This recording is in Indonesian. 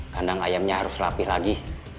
kandang ayamnya harus rapih lagi